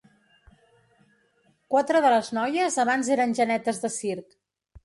Quatre de les noies abans eren genetes de circ.